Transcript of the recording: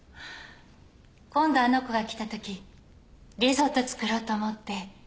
今度あの子が来たときリゾット作ろうと思って。